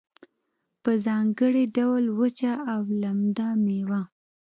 په ځانګړي ډول وچه او لمده میوه